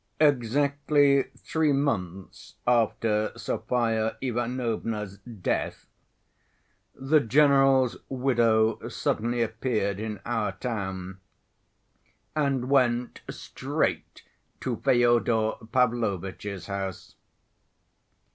Exactly three months after Sofya Ivanovna's death the general's widow suddenly appeared in our town, and went straight to Fyodor Pavlovitch's house.